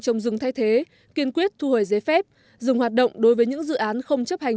trồng rừng thay thế kiên quyết thu hồi giấy phép dừng hoạt động đối với những dự án không chấp hành